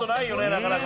なかなか。